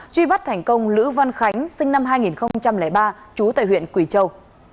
truy bắt thành công lữ văn khánh sinh năm hai nghìn ba trú tại huyện quỳ châu